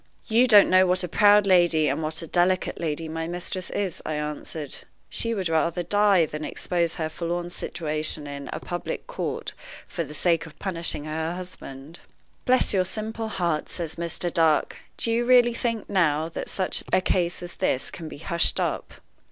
"You don't know what a proud lady and what a delicate lady my mistress is," I answered. "She would die rather than expose her forlorn situation in a public court for the sake of punishing her husband." "Bless your simple heart!" says Mr. Dark, "do you really think, now, that such a case as this can be hushed up?"